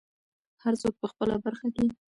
هر څوک په خپله برخه کې.